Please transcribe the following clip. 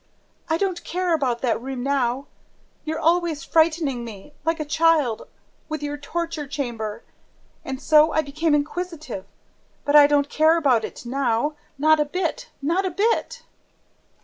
... I don't care about that room now ... You're always frightening me, like a child, with your torture chamber! ... And so I became inquisitive... But I don't care about it now ... not a bit ... not a bit!"